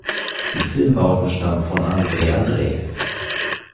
Die Filmbauten stammen von Andrej Andrejew.